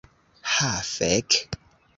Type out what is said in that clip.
Ha, fek.